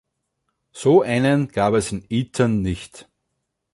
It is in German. So einen gab es in Eton nicht.